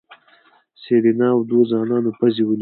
سېرېنا او دوو ځوانانو پزې ونيولې.